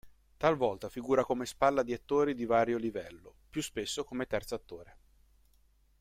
Talvolta figura come spalla di attori di vario livello, più spesso come terzo attore.